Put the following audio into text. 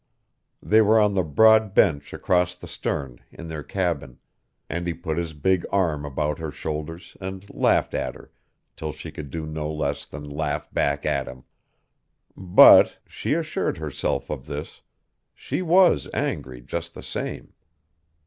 They were on the broad bench across the stern, in their cabin; and he put his big arm about her shoulders and laughed at her till she could do no less than laugh back at him. But she assured herself of this she was angry, just the same.